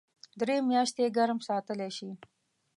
درې میاشتې ګرم ساتلی شي .